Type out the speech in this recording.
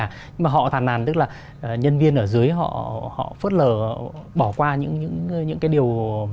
nhưng mà họ thàn nàn tức là nhân viên ở dưới họ họ phớt lờ bỏ qua những cái điều